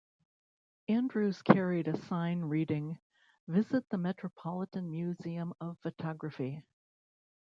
Andrews carried a sign reading: Visit The Metropolitan Museum of Photography.